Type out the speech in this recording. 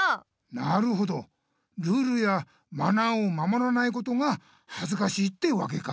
なるほどルールやマナーを守らないことがはずかしいってわけか。